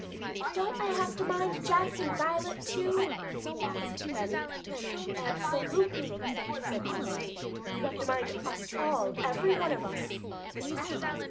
"Don't I have to mind Jess and Violet too?" asked Benny. "Absolutely!" said Henry. "You have to mind us all, every one of us!"